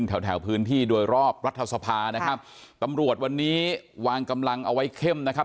แถวแถวพื้นที่โดยรอบรัฐสภานะครับตำรวจวันนี้วางกำลังเอาไว้เข้มนะครับ